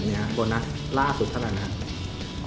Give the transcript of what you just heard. โบนัสล่าสุดเท่าไหร่นะครับ